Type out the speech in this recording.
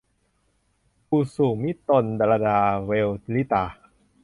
กุสุมิตลดาเวลลิตา